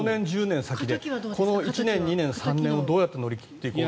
この１年、２年、３年をどう乗り切っていくか。